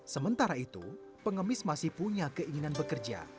sementara itu pengemis masih punya keinginan bekerja